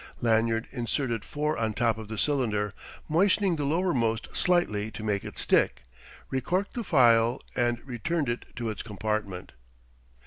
Lanyard inserted four on top of the cylinder, moistening the lowermost slightly to make it stick, recorked the phial, and returned it to its compartment.